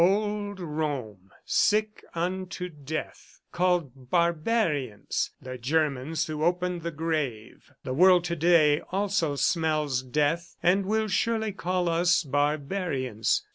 ... "Old Rome, sick unto death, called 'barbarians' the Germans who opened the grave. The world to day also smells death and will surely call us barbarians.